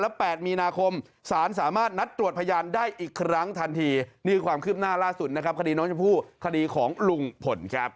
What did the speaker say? แปดมีนาคมสารสามารถนัดตรวจพยานได้อีกครั้งทันทีนี่คือความคืบหน้าล่าสุดนะครับคดีน้องชมพู่คดีของลุงพลครับ